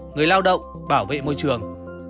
người lao động bảo vệ môi trường